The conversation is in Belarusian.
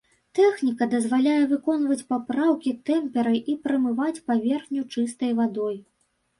Тэхніка дазваляе выконваць папраўкі тэмперай і прамываць паверхню чыстай вадой.